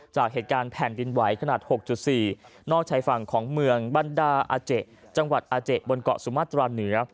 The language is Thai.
จากเหตุการณ์แผ่นดินไหวขนาด๖๔บนเกาะสุมาร์ตราเหนือ